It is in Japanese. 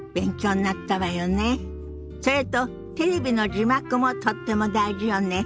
それとテレビの字幕もとっても大事よね。